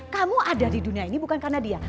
kamu ada di dunia ini bukan karena dia